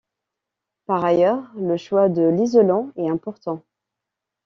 Par ailleurs le choix de l'isolant est important.